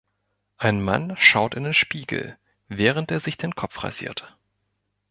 Ein Mann schaut in den Spiegel, während er sich den Kopf rasiert.